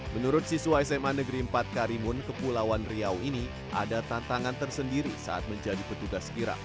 menurut siswa sma negeri empat karimun kepulauan riau ini ada tantangan tersendiri saat menjadi petugas kirap